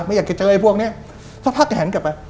ไม่อยากมาจัดเจอพวกนี้ซะพักกะแหงกลับไป